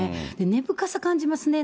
根深さ感じますね。